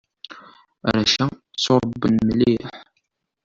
Arrac-a ttuṛebban mliḥ.